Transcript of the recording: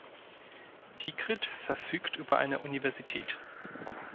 Tikrit verfügt über eine Universität.